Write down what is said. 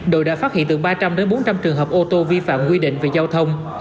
đội đã phát hiện từ ba trăm linh đến bốn trăm linh trường hợp ô tô vi phạm quy định về giao thông